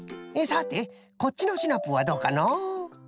さてこっちのシナプーはどうかのう？